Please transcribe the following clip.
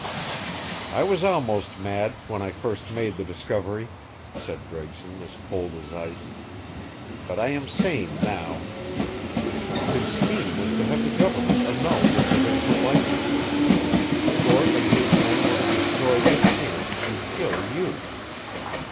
"I was almost mad, when I first made the discovery," said Gregson, as cold as ice. "But I am sane now. His scheme was to have the government annul your provisional license. Thorpe and his men were to destroy this camp, and kill you.